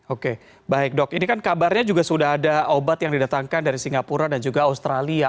oke baik dok ini kan kabarnya juga sudah ada obat yang didatangkan dari singapura dan juga australia